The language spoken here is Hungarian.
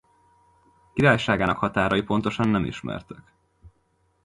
Királyságának határai pontosan nem ismertek.